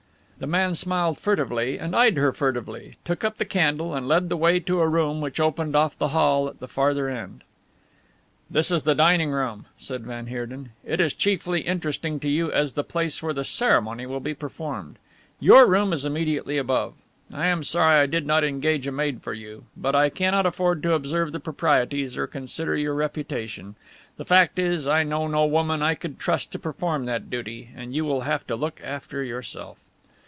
The man smiled furtively and eyed her furtively, took up the candle and led the way to a room which opened off the hall at the farther end. "This is the dining room," said van Heerden. "It is chiefly interesting to you as the place where the ceremony will be performed. Your room is immediately above. I am sorry I did not engage a maid for you, but I cannot afford to observe the proprieties or consider your reputation. The fact is, I know no woman I could trust to perform that duty, and you will have to look after yourself."